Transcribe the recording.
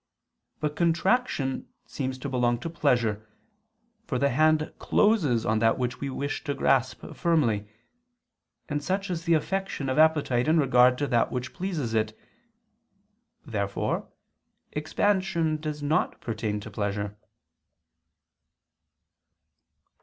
But contraction seems to belong to pleasure, for the hand closes on that which we wish to grasp firmly: and such is the affection of appetite in regard to that which pleases it. Therefore expansion does not pertain to pleasure.